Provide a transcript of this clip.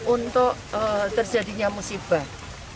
untuk terjadinya musibah